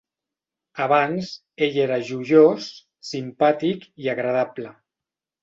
Abans, ell era joiós, simpàtic i agradable.